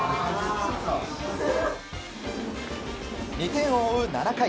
２点を追う７回。